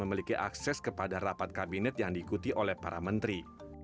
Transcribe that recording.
dan memiliki akses kepada rapat kabinet yang diikuti oleh para menteri